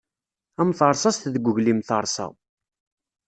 Am terṣast deg uglim terṣa.